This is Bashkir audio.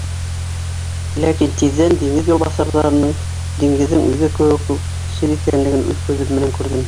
Ләкин тиҙҙән диңгеҙ юлбаҫарҙарының, диңгеҙҙең үҙе кеүек үк, хисһеҙ икәнлеген үҙ күҙем менән күрҙем.